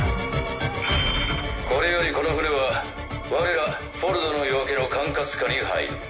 これよりこの船は我ら「フォルドの夜明け」の管轄下に入る。